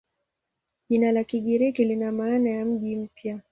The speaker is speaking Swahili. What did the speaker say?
Jina la Kigiriki lina maana ya "mji mpya".